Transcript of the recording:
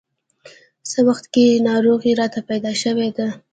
څه وخت کېږي چې ناروغي راته پیدا شوې ده.